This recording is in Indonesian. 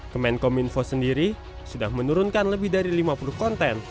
kemenkominfo sendiri sudah menurunkan lebih dari lima puluh konten